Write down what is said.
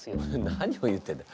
何を言ってるんだ。